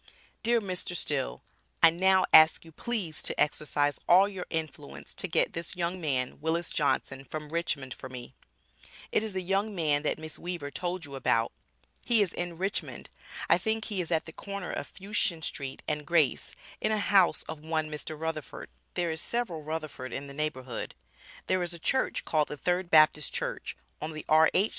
Dear Mr. Still I now ask you please to exercise all your influence to get this young man Willis Johnson from Richmond for me It is the young man that Miss Weaver told you about, he is in Richmond I think he is at the corner of Fushien Street, & Grace in a house of one Mr. Rutherford, there is several Rutherford in the neighborhood, there is a church call'd the third Baptist Church, on the R.H.